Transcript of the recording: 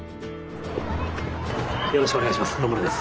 よろしくお願いします。